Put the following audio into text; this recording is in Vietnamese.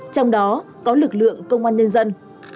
trong đó có lực lượng công an nhân dân